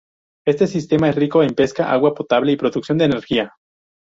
Este sistema es rico en pesca, agua potable y producción de energía.